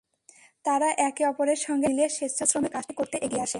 তারা একে অপরের সঙ্গে হাত মিলিয়ে স্বেচ্ছাশ্রমে কাজটি করতে এগিয়ে আসে।